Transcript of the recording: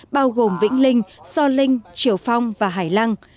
bao gồm vĩnh linh so linh triệu phong và hải lăng